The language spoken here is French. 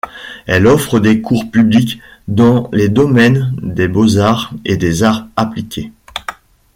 Elles offrent des cours publics dans les domaines des beaux-arts et des arts appliqués.